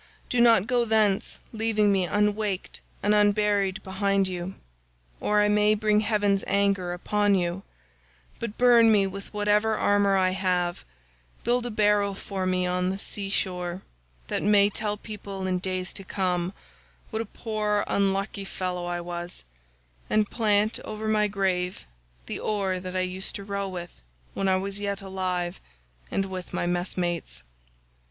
Do not go thence leaving me unwaked and unburied behind you, or I may bring heaven's anger upon you; but burn me with whatever armour I have, build a barrow for me on the sea shore, that may tell people in days to come what a poor unlucky fellow I was, and plant over my grave the oar I used to row with when I was yet alive and with my messmates.